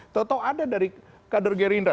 tau tau ada dari kader gerindra